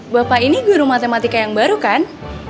bapak ini guru matematika yang baru kan